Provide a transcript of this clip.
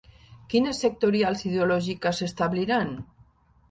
Quines sectorials ideològiques s'establiran?